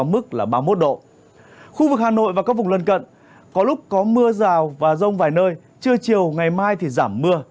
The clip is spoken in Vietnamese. mưa rào và rông vài nơi trưa chiều ngày mai thì giảm mưa